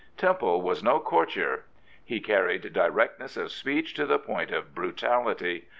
Temple was no courtier. He carried directness of speech to the point of brutality.